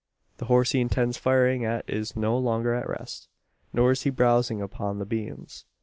The horse he intends firing at is no longer at rest, nor is he browsing upon the beans.